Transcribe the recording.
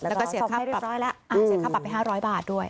แล้วก็เสียค่าปรับไป๕๐๐บาทด้วย